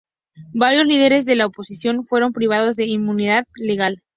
Varios líderes de la oposición fueron privados de inmunidad legal.